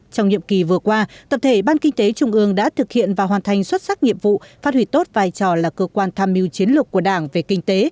trong nhiệm kỳ vừa qua tập thể ban kinh tế trung ương đã thực hiện và hoàn thành xuất sắc nhiệm vụ phát huy tốt vai trò là cơ quan tham mưu chiến lược của đảng về kinh tế